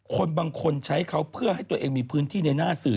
คนบางคนใช้เขาเพื่อให้ตัวเองมีพื้นที่ในหน้าสื่อ